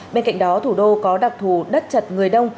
bên cạnh đó thủ đô có đặc thù đất chật người đông